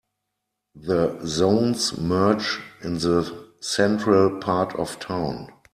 The zones merge in the central part of town.